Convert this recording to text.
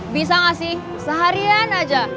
bisa gak sih seharian aja